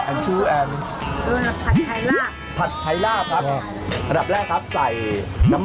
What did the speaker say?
แล้วก็ไม่มีอะไรทำแต่ละ